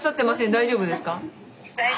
大丈夫です。